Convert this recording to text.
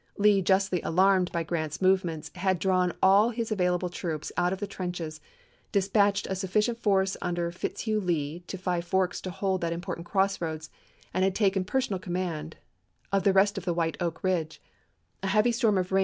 Lee, justly alarmed by Grant's movements, had drawn all his available troops out of the trenches, dis patched a sufficient force under Fitzhugh Lee to Five Forks to hold that important cross roads, and had taken personal command of the rest on the GENERAL A.